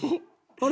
あれ？